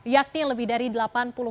yakni lebih dari delapan juta